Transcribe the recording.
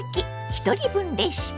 ひとり分レシピ」。